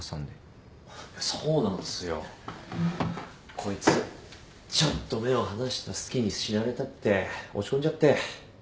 こいつちょっと目を離した隙に死なれたって落ち込んじゃって。